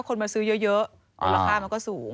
คนมาซื้อเยอะมูลค่ามันก็สูง